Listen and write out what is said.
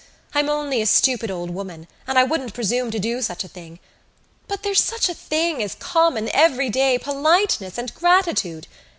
I'm only a stupid old woman and I wouldn't presume to do such a thing. But there's such a thing as common everyday politeness and gratitude.